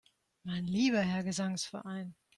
Mein lieber Herr Gesangsverein!